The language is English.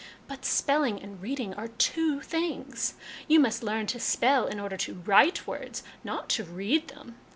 " But spelling and reading are two things. You must learn to spell in order to write words, not to read them.